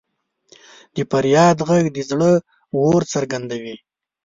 د فریاد ږغ د زړه اور څرګندوي.